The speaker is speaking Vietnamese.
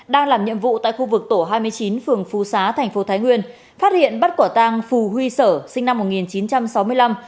đang làm nhiệm vụ tại khu vực tổ hai mươi chín phường phú xá tp thái nguyên phát hiện bắt quả tang phù huy sở sinh năm một nghìn chín trăm sáu mươi năm